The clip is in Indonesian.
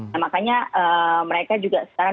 nah makanya mereka juga sekarang